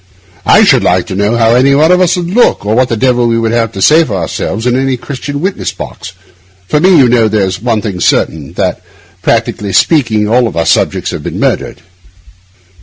I should like to know how any one of us would look, or what the devil we should have to say for ourselves, in any Christian witness box. For me, you know there's one thing certain—that, practically speaking, all our subjects have been murdered.